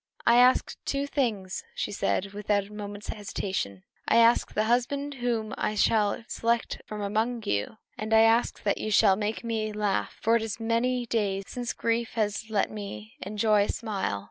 "I ask two things," she said, without a moment's hesitation: "I ask the husband whom I shall select from among you; and I ask that you shall make me laugh, for it is many days since grief has let me enjoy a smile."